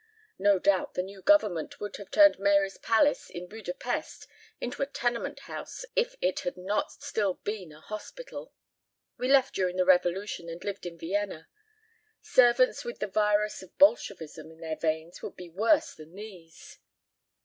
No doubt the new government would have turned Mary's palace in Buda Pesth into a tenement house if it had not still been a hospital. We left during the revolution and lived in Vienna. Servants with the virus of Bolshevism in their veins would be worse than these."